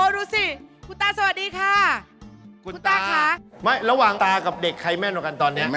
ระหว่างตากับเด็กใครแม่นกันตอนนี้